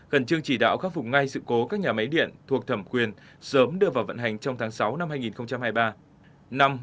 khẩn trương chỉ đạo khắc phục ngay sự cố các nhà máy điện thuộc thẩm quyền sớm đưa vào vận hành trong tháng sáu năm hai nghìn hai mươi ba